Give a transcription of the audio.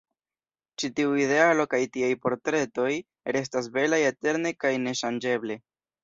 Ĉi tiu idealo kaj tiaj portretoj restas belaj eterne kaj neŝanĝeble.